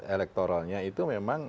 elektoralnya itu memang